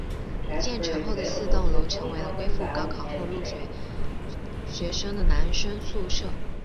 建成后的四栋楼成为了恢复高考后入学学生的男生宿舍。